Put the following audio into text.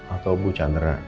atau bu chandra